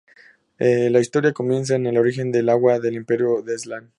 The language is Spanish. La historia comienza en el origen del agua, el Imperio de Aslan.